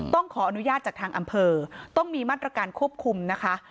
ต้องขออนุญาตจากทางอำเภอต้องมีมาตรการควบคุมนะคะ